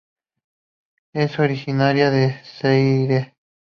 Es originaria de Zaire.